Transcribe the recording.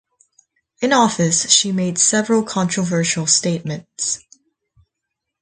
In office she made several controversial statements.